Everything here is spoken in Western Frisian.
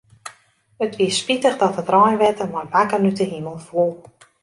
It wie spitich dat it reinwetter mei bakken út 'e himel foel.